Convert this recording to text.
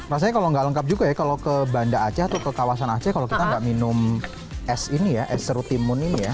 rasanya kalau nggak lengkap juga ya kalau ke banda aceh atau ke kawasan aceh kalau kita nggak minum es ini ya es seru timun ini ya